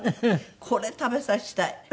これ食べさせたい。